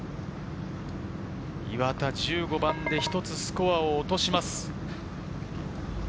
岩田、１５番で１つスコアを落とします。